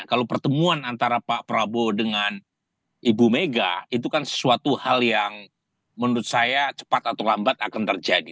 kalau pertemuan antara pak prabowo dengan ibu mega itu kan sesuatu hal yang menurut saya cepat atau lambat akan terjadi